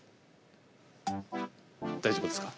大丈夫ですか？